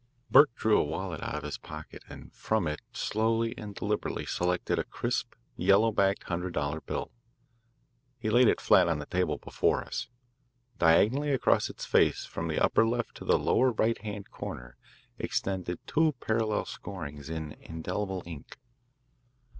Burke drew a wallet out of his pocket, and from it slowly and deliberately selected a crisp, yellow backed hundred dollar bill. He laid it flat on the table before us. Diagonally across its face from the upper left to the lower right hand corner extended two parallel scorings in indelible ink.